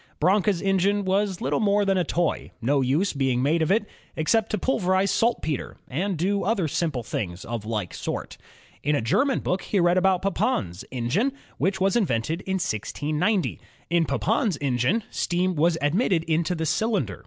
Branca's engine was little more than a toy, no use being made of it, except to pulverize saltpeter and do other simple things of like sort. In a German book he read about Papin's engine, which was in vented in 1690. In Papin's engine steam was admitted into the cylinder.